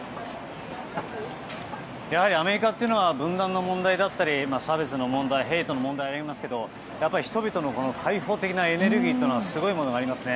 やはり、アメリカは分断の問題だったり差別の問題ヘイトの問題がありますけど人々の開放的なエネルギーというのはすごいものがありますね。